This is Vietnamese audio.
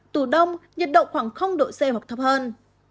tù đông nhiệt độ khoảng độ c hoặc thấp hơn